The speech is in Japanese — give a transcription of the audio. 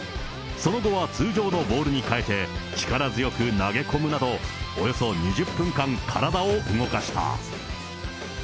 その後は通常のボールに替えて、力強く投げ込むなど、およそ２０分間体を動かした。